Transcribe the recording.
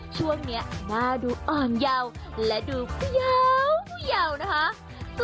ช่วงนี้หน้าดูอ่อนเยาว์และดูยาวนะคะ